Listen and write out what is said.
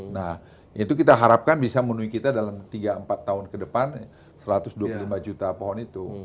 nah itu kita harapkan bisa menuhi kita dalam tiga empat tahun ke depan satu ratus dua puluh lima juta pohon itu